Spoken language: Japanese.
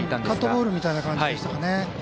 カットボールみたいな感じでしたね。